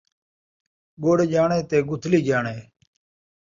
ڳڑ ڄاݨے تے ڳتھلی ڄاݨے